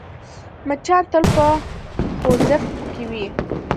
مچان تل په خوځښت کې وي